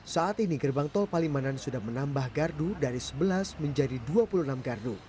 saat ini gerbang tol palimanan sudah menambah gardu dari sebelas menjadi dua puluh enam gardu